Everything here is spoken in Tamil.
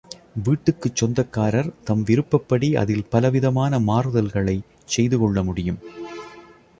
வீட்டுக்குச் சொந்தக்காரர் தம் விருப்பப்படி அதில் பலவிதமான மாறுதல்களைச் செய்து கொள்ள முடியும்.